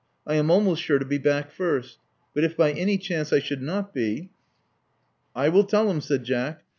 I am almost sure to be back first; but if by any chance I should not be " I will tell him," said Jack.